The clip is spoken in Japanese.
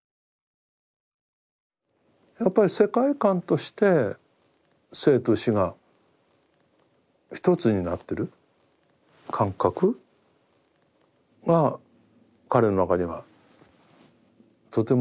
やっぱり世界観として生と死が一つになってる感覚が彼の中にはとてもあって。